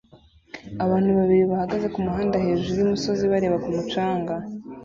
Abantu babiri bahagaze kumuhanda hejuru yumusozi bareba ku mucanga